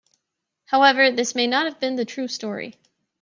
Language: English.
However this may not have been the true story.